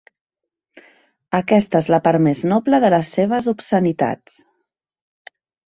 Aquesta és la part més noble de les seves obscenitats.